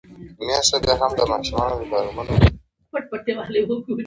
پخوا به پښتنو خپل زوی ته واده کاوو.